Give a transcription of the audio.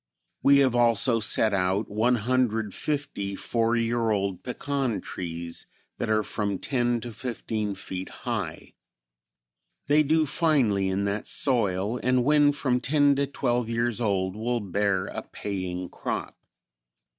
We have also set out 150 four year old pecan trees that are from 10 to 15 feet high. They do finely in that soil and when from ten to twelve years old will bear a paying crop.